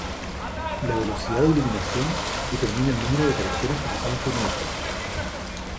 La velocidad de iluminación determina el número de caracteres procesados por minuto.